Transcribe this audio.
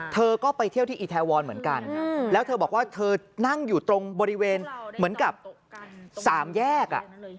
เธอก็ไปเที่ยวที่อีแทวรเหมือนกันแล้วเธอบอกว่าเธอนั่งอยู่ตรงบริเวณเหมือนกับสามแยก